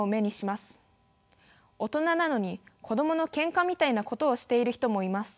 大人なのに子供のけんかみたいなことをしている人もいます。